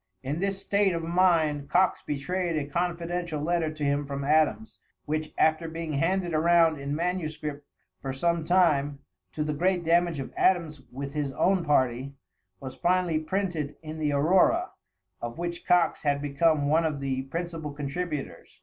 In this state of mind Coxe betrayed a confidential letter to him from Adams; which, after being handed around in manuscript for some time, to the great damage of Adams with his own party, was finally printed in the Aurora, of which Coxe had become one of the principal contributors.